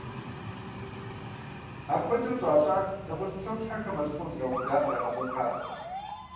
Апхуэдэу щӏащӏэр, нэгъуэщӏ псэущхьэхэм, а щӏыпӏэр зэраубыдар кърагъэщӏэн папщӏэщ.